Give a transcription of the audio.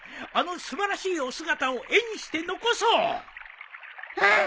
あの素晴らしいお姿を絵にして残そう。